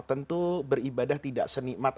tentu beribadah tidak senikmat